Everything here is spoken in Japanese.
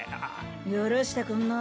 許してくんな。